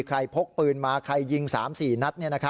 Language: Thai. พกปืนมาใครยิง๓๔นัด